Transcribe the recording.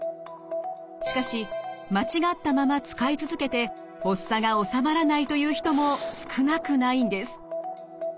しかし間違ったまま使い続けて発作が治まらないという人も少なくないんです。